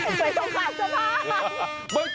ไม่ต้องขามสะพาน